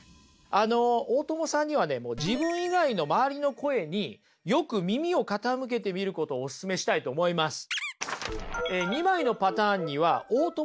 あの大友さんにはね自分以外の周りの声によく耳を傾けてみることをオススメしたいと思います。